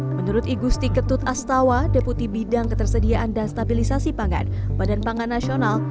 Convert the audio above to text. menurut igusti ketut astawa deputi bidang ketersediaan dan stabilisasi pangan badan pangan nasional